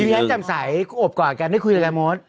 ดีงั้นจำใสอบกว่าแกได้คุยกับใครโมท